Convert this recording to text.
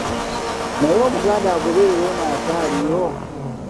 Naye Omuganda agaoberera ennono akyaliyo?